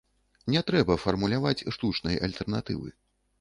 Не трэба фармуляваць штучнай альтэрнатывы.